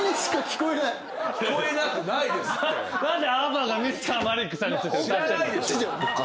聞こえなくないですって。